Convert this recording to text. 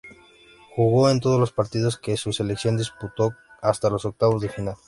Jugó en todos los partidos que su selección disputó hasta los octavos de final.